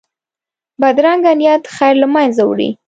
بدرنګه نیت خیر له منځه وړي